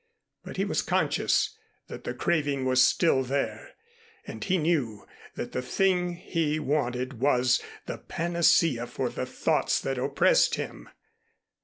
But he was conscious that the craving was still there, and he knew that the thing he wanted was the panacea for the thoughts that oppressed him.